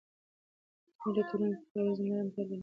زموږ د ټولنې د پرمختګ یوازینی لاره د مطالعې له لارې ده.